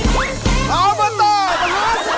แล้วมาต่อประหลาดสิบน้อย